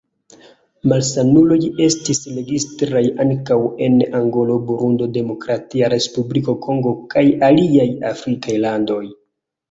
Malsanuloj estis registritaj ankaŭ en Angolo, Burundo, Demokratia Respubliko Kongo kaj aliaj afrikaj landoj.